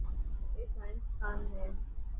اي سائنسدان هي.